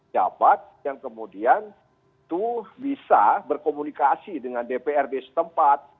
jabat yang kemudian itu bisa berkomunikasi dengan dprd setempat